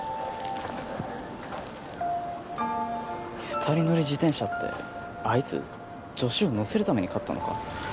２人乗り自転車ってあいつ女子を乗せるために買ったのか？